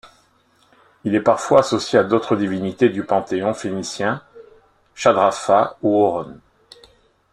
Il est parfois associé à d'autres divinités du panthéon phénicien, Shadrapha ou Horôn.